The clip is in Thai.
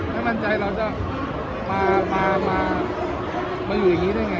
ถ้ามั่นใจเราจะมาอยู่อย่างนี้ได้ไง